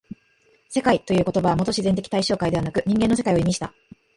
「世界」という言葉はもと自然的対象界でなく人間の世界を意味した。